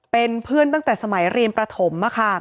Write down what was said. เป็นเพื่อนตั้งแต่สมัยเรียนประถม